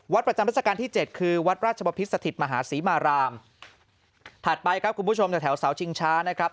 ประจำราชการที่เจ็ดคือวัดราชบพิษสถิตมหาศรีมารามถัดไปครับคุณผู้ชมแถวแถวเสาชิงช้านะครับ